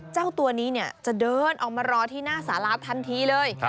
เจ้าตัวนี้จะเดินออกมารอที่หน้าสาราทันทีเลย